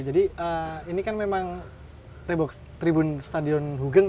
jadi ini kan memang tribun stadion hugeng ya